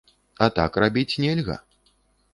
А так рабіць нельга.